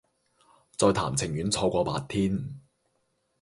再談情願錯過白天